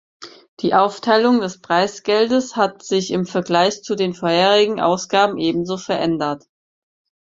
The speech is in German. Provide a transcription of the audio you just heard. Die Aufteilung des Preisgeldes hat sich im Vergleich zu den vorherigen Ausgaben ebenso verändert.